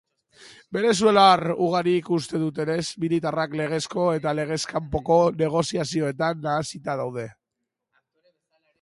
Venezuelar ugarik uste dutenez, militarrak legezko eta legez kanpoko negozioetan nahasita daude.